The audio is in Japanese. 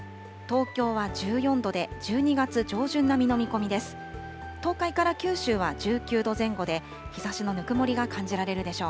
東京は１４度で１２月上旬並みの見込みです。